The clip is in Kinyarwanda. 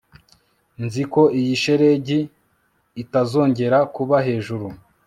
nzi ko iyi shelegi itazongera kuba hejuru